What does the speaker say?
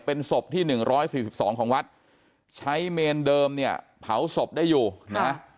เป็นศพที่หนึ่งร้อยสี่สิบสองของวัดใช้เมนเดิมเนี้ยเผาศพได้อยู่นะฮะ